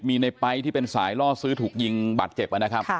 มีในไป๊ต์ที่เป็นสายล่อซื้อถูกยิงบัตรเจ็บ